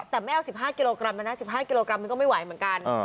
แต่ไม่เอา๑๕กิโลกรัมแล้วนะ๑๕กิโลกรัมมันก็ไม่ไหวเหมือนกัน